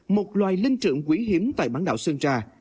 một loài linh trưởng quý hiếm tại bán đảo sơn trà